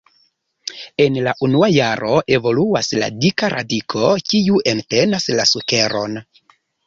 En la unua jaro evoluas la dika radiko, kiu entenas la sukeron.